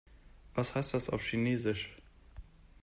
Was heißt das auf Chinesisch?